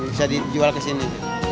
bisa dijual kesini